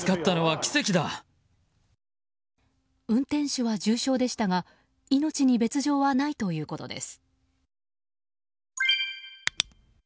運転手は重傷でしたが命に別条はないということです。